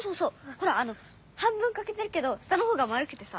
ほら半分かけてるけど下のほうが丸くてさ。